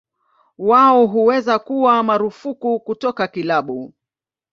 Wao huweza kuwa marufuku kutoka kilabu.